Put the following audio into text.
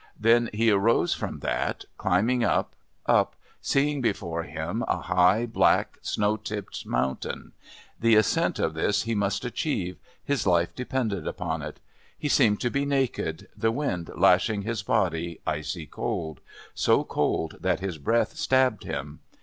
Then he rose from that, climbing up, up, seeing before him a high, black, snow tipped mountain. The ascent of this he must achieve, his life depended upon it. He seemed to be naked, the wind lashing his body, icy cold, so cold that his breath stabbed him.